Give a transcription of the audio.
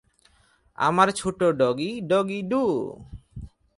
আমার ছোট doggy, doggy, do.